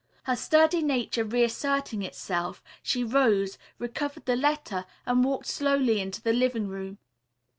Her sturdy nature reasserting itself, she rose, recovered the letter and walked slowly into the living room.